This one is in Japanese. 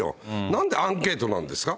なんでアンケートなんですか。